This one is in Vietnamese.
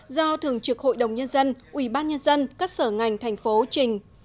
do thường trực hội đồng nhân dân ubnd các sở ngành thành phố trình